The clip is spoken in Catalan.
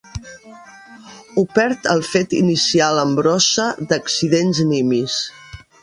Ho perd el fet inicial en brossa d'accidents nimis.